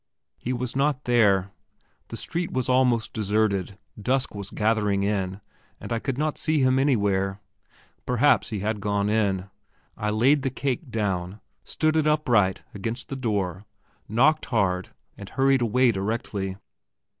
He was not there. The street was almost deserted dusk was gathering in, and I could not see him anywhere. Perhaps he had gone in. I laid the cake down, stood it upright against the door, knocked hard, and hurried away directly.